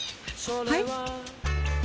はい？